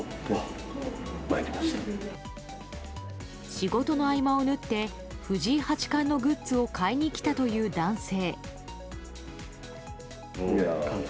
仕事の合間を縫って藤井八冠のグッズを買いに来たという男性。